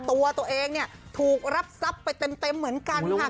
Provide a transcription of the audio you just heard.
ตัวเองเนี่ยถูกรับทรัพย์ไปเต็มเหมือนกันค่ะ